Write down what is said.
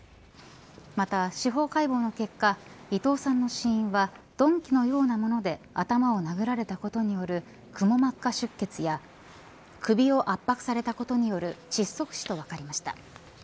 また司法解剖の結果伊藤さんの死因は鈍器のようなもので頭を殴られたことによるくも膜下出血や首を圧迫されたことによる窒息死と分かりました。